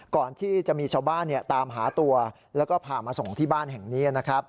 ก่อนที่จะมีชาวบ้านตามหาตัวแล้วก็พามาส่งที่บ้านแห่งนี้นะครับ